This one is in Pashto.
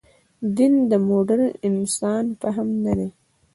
دین د مډرن انسان فهم نه دی.